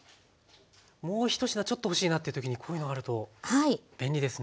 もう１品ちょっと欲しいなっていう時にこういうのがあると便利ですね。